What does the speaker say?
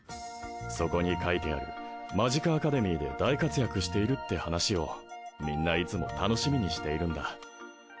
そこに書いてあるマジカアカデミーで大活躍しているって話をみんないつも楽しみにしているんだ